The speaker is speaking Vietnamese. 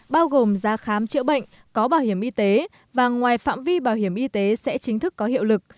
bao gồm giá khám chữa bệnh có bảo hiểm y tế và ngoài phạm vi bảo hiểm y tế sẽ chính thức có hiệu lực